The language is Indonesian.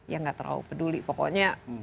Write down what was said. ya nggak terlalu peduli pokoknya